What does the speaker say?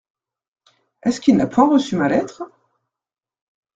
Est-ce qu’il n’a point reçu ma lettre ?